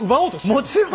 もちろん！